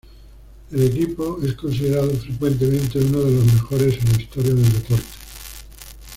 El equipo es considerado frecuentemente uno de los mejores en la historia del deporte.